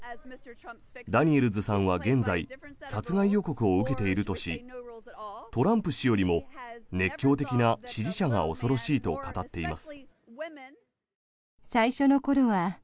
ダニエルズさんは現在殺害予告を受けているとしトランプ氏よりも熱狂的な支持者が恐ろしいと語っています。